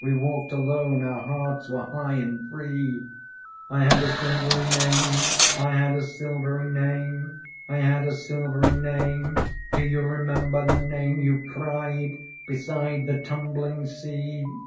We walked alone. Our hearts were high and free. I had a silvery name, I had a silvery name, I had a silvery name do you remember The name you cried beside the tumbling sea?"